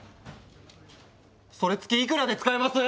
それ月いくらで使えます？